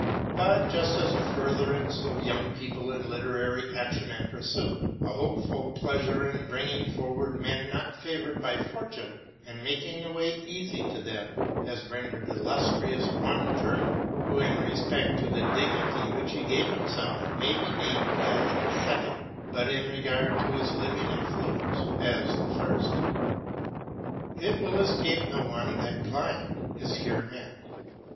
But just such a furtherance of young people in literary action and pursuit, a hopeful pleasure in bringing forward men not favored by fortune, and making the way easy to them, has rendered illustrious one German, who, in respect to the dignity which he gave himself, may be named as the second, but, in regard to his living influence, as the first. It will escape no one that Gleim is here meant.